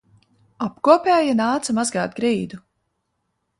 Apkopēja nāca mazgāt grīdu